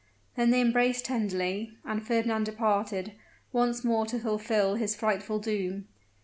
They then embraced tenderly, and Fernand departed, once more to fulfill his frightful doom!